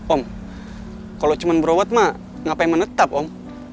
om kalau cuma berobat mah ngapain menetap om